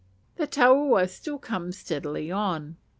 The taua still comes steadily on.